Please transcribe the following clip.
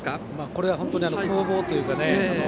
これはやはり攻防というかね。